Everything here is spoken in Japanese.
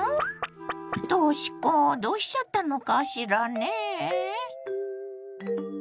とし子どうしちゃったのかしらねえ？